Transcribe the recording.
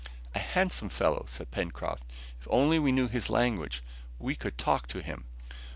"A handsome fellow!" said Pencroft; "if we only knew his language, we could talk to him."